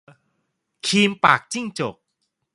คีมปากจิ้งจก